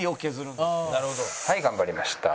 はい頑張りました。